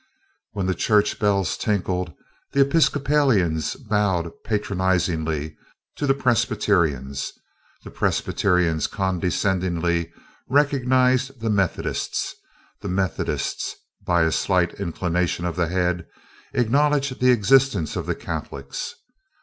When the church bells tinkled, the Episcopalians bowed patronizingly to the Presbyterians, the Presbyterians condescendingly recognized the Methodists, the Methodists, by a slight inclination of the head, acknowledged the existence of the Catholics.